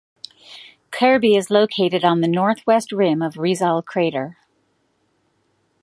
Kirby is located on the northwest rim of Rizal crater.